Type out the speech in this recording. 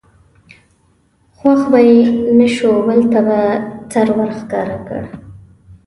خوښ به یې نه شو بل ته به سر ور ښکاره کړ.